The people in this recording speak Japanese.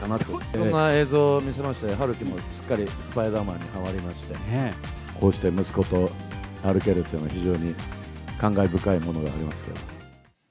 いろんな映像を見せまして、陽喜もすっかりスパイダーマンにはまりまして、こうして息子と歩けるっていうのは、非常に感慨深いものがありますから。